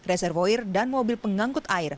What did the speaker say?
reservoir dan mobil pengangkut air